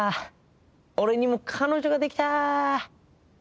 俺にも彼女ができた！